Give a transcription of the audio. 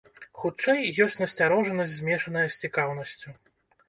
Хутчэй, ёсць насцярожанасць змешаная з цікаўнасцю.